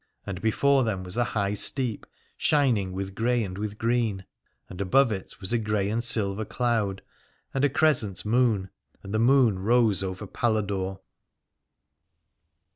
And before them was a high steep, shining with grey and with green : and above it was a grey and silver cloud, and a cres cent moon, and the moon rose over Paladore.